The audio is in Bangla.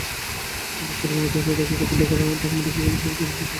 অবস্থার অবনতি হলে রাতেই তাঁকে ঢাকা মেডিকেল কলেজ হাসপাতালে স্থানান্তর করা হয়।